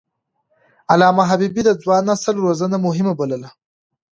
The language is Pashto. علامه حبيبي د ځوان نسل روزنه مهمه بلله.